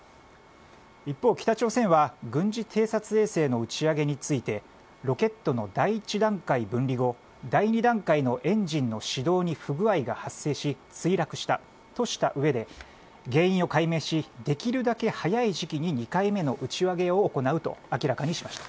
一方、北朝鮮は軍事偵察衛星の打ち上げについてロケットの第１段階分離後第２段階のエンジンの始動に不具合が発生し墜落したとした上で原因を解明しできるだけ早い時期に２回目の打ち上げを行うと明らかにしました。